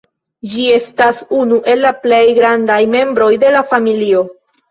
Ĝi estas unu el la plej grandaj membroj de la familio.